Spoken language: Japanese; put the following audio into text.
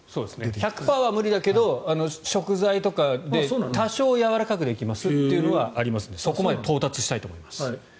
１００％は無理だけど食材とかで多少やわらかくできますよというのがあるのでそこまで到達したいと思います。